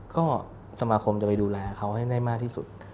ก็สมาคมจะไปดูแลเขาให้ได้มากที่สุด